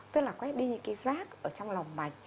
tức là quét đi những cái rác ở trong lòng mạch